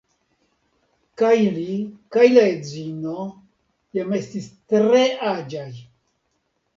Kaj li kaj la edzino jam estis tre aĝaj.